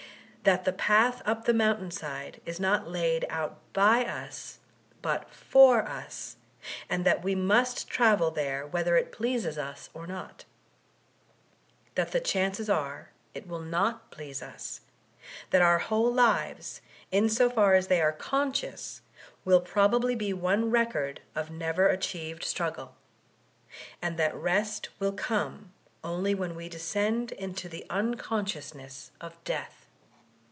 That the path up the mountain side is not laid out by us, but far us, and that we muH travel there whether it ideases us or not That the chances are it will not please us ; that our whole lives, in so far as they are conscious, will probably be one record of never achieved struggle ; and that rest will come only when we descend to the unconsciousness of Death.